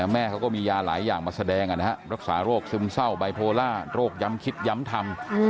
แม่เขาก็มียาหลายอย่างมาแสดงรักษาโรคซึมเศร้าไบโพล่าโรคย้ำคิดย้ำทำ